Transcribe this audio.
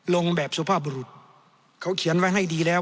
ลงแบบสุภาพบุรุษเขาเขียนไว้ให้ดีแล้ว